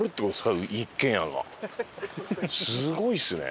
すごいですね。